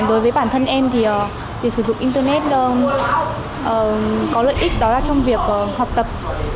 đối với bản thân em thì việc sử dụng internet có lợi ích đó là trong việc học tập